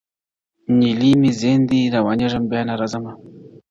نیلی مي زین دی روانېږمه بیا نه راځمه٫